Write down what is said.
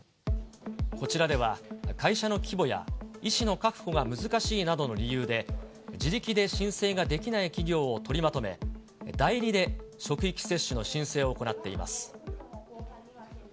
こちらでは、会社の規模や医師の確保が難しいなどの理由で、自力で申請ができない企業を取りまとめ、代理で職域接種の申請を行っています。